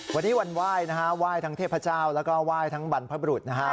วันนี้วันไหว้นะฮะไหว้ทั้งเทพเจ้าแล้วก็ไหว้ทั้งบรรพบรุษนะฮะ